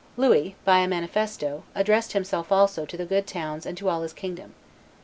Louis, by a manifesto, addressed himself also to the good towns and to all his kingdom.